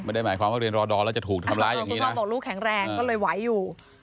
ไม่ได้หมายความว่าเรียนรอดอแล้วจะถูกทำร้ายอย่างนี้น้องบอกลูกแข็งแรงก็เลยไหวอยู่